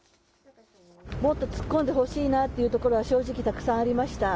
もっと突っ込んでほしいなっていうところは、正直、たくさんありました。